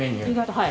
はい。